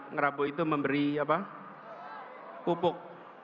ngerabu itu memberi pupuk